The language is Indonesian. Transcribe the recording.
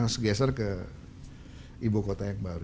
segeser ke ibu kota yang baru